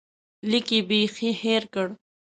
لیک یې بیخي هېر کړ.